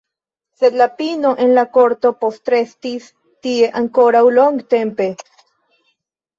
Sed la pino en la korto postrestis tie ankoraŭ longtempe.